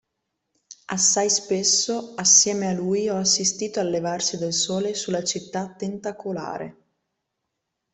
Assai spesso assieme a lui ho assistito al levarsi del sole sulla città tentacolare.